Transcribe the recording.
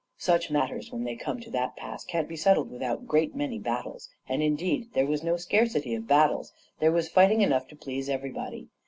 Such matters when they come to that pass, can't be settled without a great many battles; and, indeed, there was no scarcity of battles; there was fighting enough to please everybody.